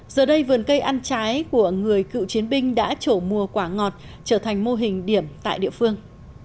giờ đây vườn cây ăn trái của người cựu chiến binh đã trổ mùa quả ngọt trở thành mô hình điểm tại địa phương